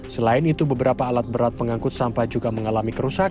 selain itu beberapa alat berat pengangkut sampah juga mengalami kerusakan